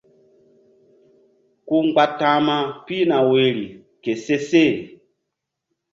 Ku mgba ta̧hma pihna woyri ke seseh.